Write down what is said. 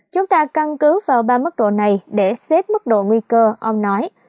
chúng ta căn cứ vào ba mức độ này để xếp mức độ nguy cơ ông nói